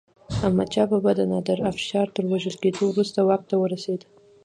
احمدشاه بابا د نادر افشار تر وژل کېدو وروسته واک ته ورسيد.